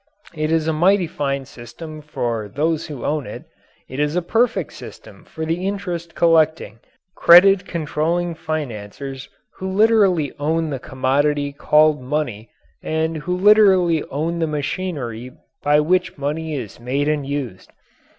It is a mighty fine system for those who own it. It is a perfect system for the interest collecting, credit controlling financiers who literally own the commodity called Money and who literally own the machinery by which money is made and used.